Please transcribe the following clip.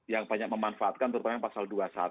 yang banyak memanfaatkan terutama pasal dua puluh satu